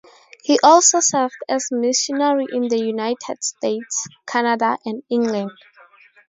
He also served as missionary in the United States, Canada, and England.